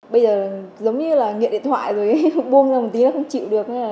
bây giờ giống như là nghiện điện thoại rồi buông ra một tí nó không chịu được